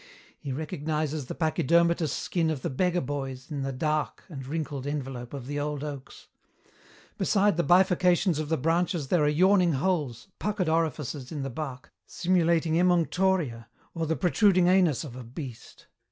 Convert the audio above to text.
He recognizes the pachydermatous skin of the beggar boys in the dark and wrinkled envelope of the old oaks. Beside the bifurcations of the branches there are yawning holes, puckered orifices in the bark, simulating emunctoria, or the protruding anus of a beast.